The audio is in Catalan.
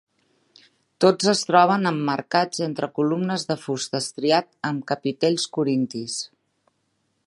Tots es troben emmarcats entre columnes de fust estriat amb capitells corintis.